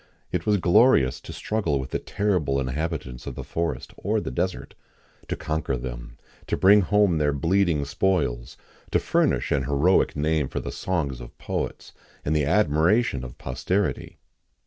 It was glorious to struggle with the terrible inhabitants of the forest or the desert; to conquer them; to bring home their bleeding spoils; to furnish an heroic name for the songs of poets, and the admiration of posterity.